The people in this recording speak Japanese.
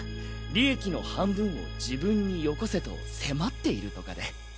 利益の半分を自分によこせと迫っているとかで。